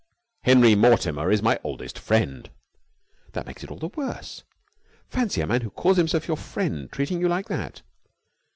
"Henry Mortimer is my oldest friend." "That makes it all the worse. Fancy a man who calls himself your friend treating you like that!"